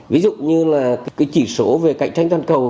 ví dụ như là cái chỉ số về cạnh tranh toàn cầu